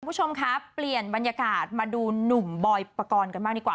คุณผู้ชมคะเปลี่ยนบรรยากาศมาดูหนุ่มบอยปกรณ์กันบ้างดีกว่า